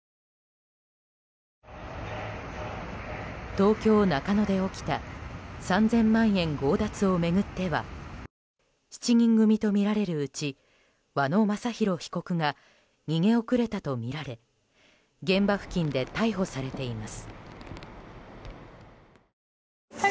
東京・中野で起きた３０００万円強奪を巡っては７人組とみられるうち和野正弘被告が逃げ遅れたとみられ現場付近で逮捕されています。